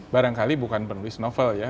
barangkali bukan penulis novel ya